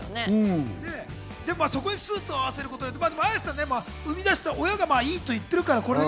でもそこにスーツを合わせることで綾瀬さん、生み出した親がいいと言っているから。